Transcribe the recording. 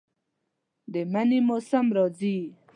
د منی موسم راځي